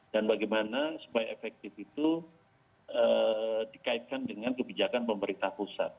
dan bagaimana supaya efektif itu dikaitkan dengan kebijakan pemerintah pusat